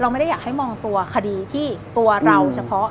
ไม่ได้อยากให้มองตัวคดีที่ตัวเราเฉพาะ